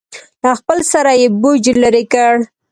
له خپل سره یې بوج لرې کړ.